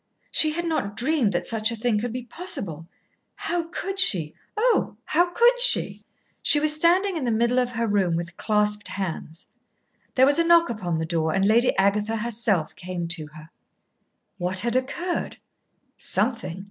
She had not dreamed that such a thing could be possible. How could she, oh, how could she? She was standing in the middle of her room with clasped hands. There was a knock upon the door, and Lady Agatha herself came to her. What had occurred? Something.